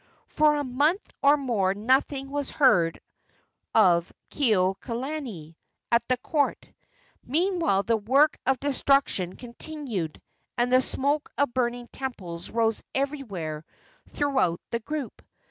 For a month or more nothing was heard of Kekuaokalani at the court. Meantime, the work of destruction continued, and the smoke of burning temples rose everywhere throughout the group.